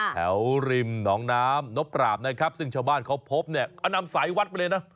ริมหนองน้ำนบปราบนะครับซึ่งชาวบ้านเขาพบเนี่ยก็นำสายวัดไปเลยนะ